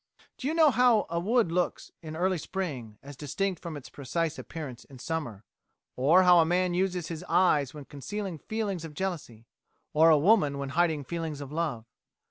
Do you know how a wood looks in early spring as distinct from its precise appearance in summer, or how a man uses his eyes when concealing feelings of jealousy? or a woman when hiding feelings of love?